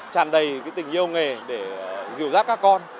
tràn đầy cái tình yêu nghề để dìu dắt các con